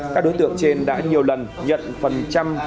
các đối tượng trên đã nhiều lần nhận phần trăm